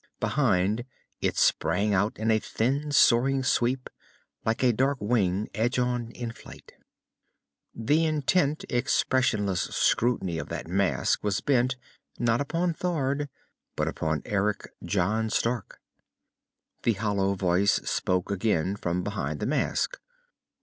Behind, it sprang out in a thin, soaring sweep, like a dark wing edge on in flight. The intent, expressionless scrutiny of that mask was bent, not upon Thord, but upon Eric John Stark. The hollow voice spoke again, from behind the mask.